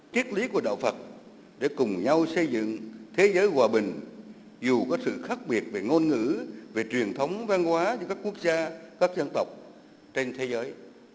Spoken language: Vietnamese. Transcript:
triết lý của đạo phật để cùng nhau xây dựng thế giới hòa bình dù có sự khác biệt về ngôn ngữ về truyền thống văn hóa giữa các quốc gia các dân tộc trên thế giới